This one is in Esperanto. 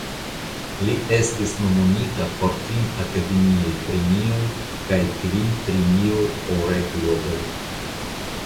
Li estis nomumita por kvin Akademiaj Premioj kaj kvin Premioj Oraj Globoj.